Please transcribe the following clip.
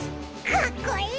かっこいい！